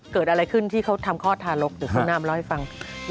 เกิดอะไรขึ้นที่เขาทำข้อทารกถึงคุณอ่านมเล่าให้ฟัง